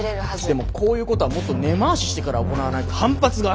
でもこういうことはもっと根回ししてから行わないと反発が。